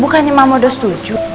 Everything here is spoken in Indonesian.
bukannya mama udah setuju